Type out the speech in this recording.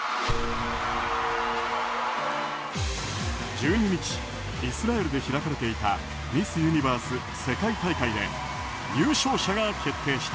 １２日、イスラエルで開かれていたミス・ユニバース世界大会で優勝者が決定した。